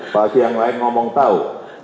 pasti yang lain ngomong tahu